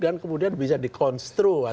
dan kemudian bisa di konstru atau dianggap